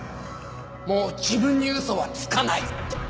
もう自分に嘘はつかないって。